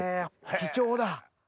貴重だ。